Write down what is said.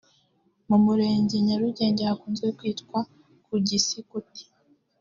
mu murenge Nyarugenge hakunze kwitwa ku Gisikuti